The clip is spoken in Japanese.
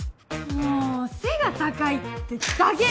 もう背が高いってだけ！